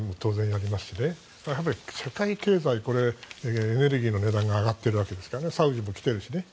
あとは世界経済エネルギーの値段が上がっているわけですからサウジも来ているしね。